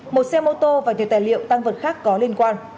một xe mô tô và nhiều tài liệu tăng vật khác có liên quan